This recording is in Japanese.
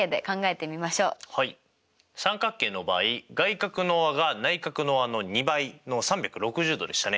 三角形の場合外角の和が内角の和の２倍の３６０°でしたね。